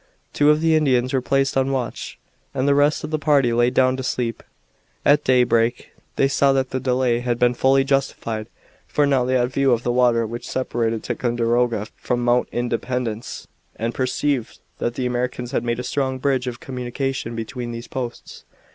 Two of the Indians were placed on watch, and the rest of the party lay down to sleep. At daybreak they saw that the delay had been fully justified, for they had now a view of the water which separated Ticonderoga from Mount Independence, and perceived that the Americans had made a strong bridge of communication between these posts.